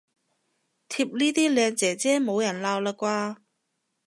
貼呢啲靚姐姐冇人鬧喇啩